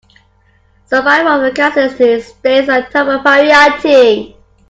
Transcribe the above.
Survival of the casualties stays our top priority!